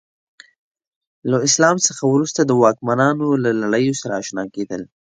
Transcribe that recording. له اسلام څخه وروسته د واکمنانو له لړیو سره اشنا کېدل.